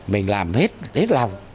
mình làm hết hết lòng